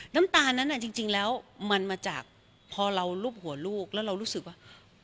น้ำตาลนั้นจริงแล้วมันมาจากพอเรารูปหัวลูกแล้วเรารู้สึกว่า